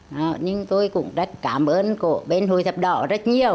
nhưng tôi cũng rất cảm ơn của bên hội chữ thập đỏ rất nhiều